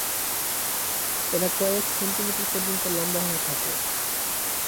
এরা কয়েক সেন্টিমিটার পর্যন্ত লম্বা হয়ে থাকে।